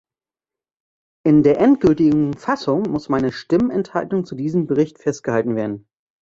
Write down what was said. In der endgültigen Fassung muss meine Stimmenthaltung zu diesem Bericht festgehalten werden.